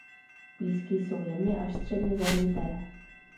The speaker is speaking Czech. Písky jsou jemně až středně zrnité.